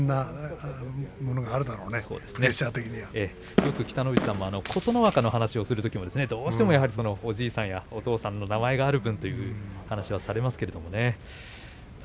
よく北の富士さんも琴ノ若の話をするときにどうしてもおじいさんやお父さんの名前が歩くという話をしてらっしゃいました。